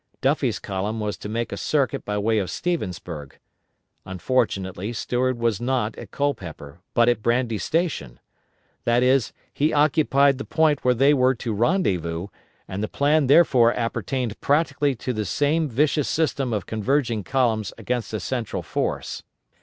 Duffie's column was to make a circuit by way of Stevensburg. Unfortunately, Stuart was not at Culpeper, but at Brandy Station; that is, he occupied the point where they were to rendezvous, and the plan therefore appertained practically to the same vicious system of converging columns against a central force.